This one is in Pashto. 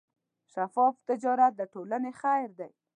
شفاف تجارت د ټولنې خیر دی.